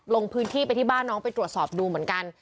ลงพื้นที่ไปที่บ้านน้องไปตรวจสอบดูเหมือนกัน